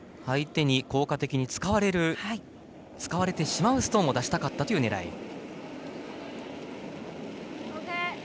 相手に効果的に使われてしまうストーンを出したかったという狙い。